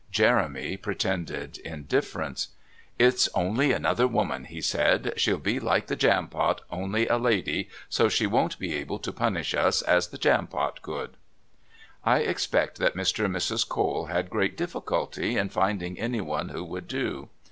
Jeremy pretended indifference. "It's only another woman," he said. "She'll be like the Jampot only, a lady, so she won't be able to punish us as the Jampot could." I expect that Mr. and Mrs. Cole had great difficulty in finding anyone who would do.